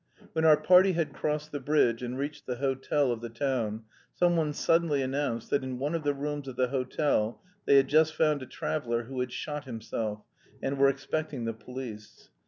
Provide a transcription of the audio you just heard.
When our party had crossed the bridge and reached the hotel of the town, someone suddenly announced that in one of the rooms of the hotel they had just found a traveller who had shot himself, and were expecting the police.